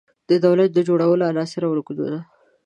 د دولت جوړولو عناصر او رکنونه